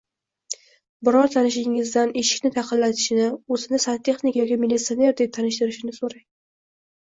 Biror tanishingizdan eshikni taqillatishini, o‘zini santexnik yoki militsioner deb tanishtirishini so'rang.